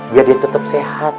biar dia tetep sehat